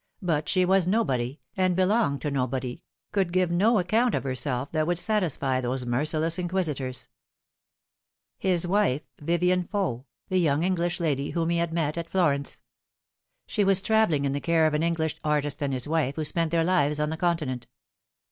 But she was nobody, and belonged to nobody, could give no account of herself that would satisfy those merciless inquisitors. His wife, Vivien Faux, the young English lady whom he had met at Florence. She was travelling in the care of an English artist and his wife, who spent their lives on the Continent.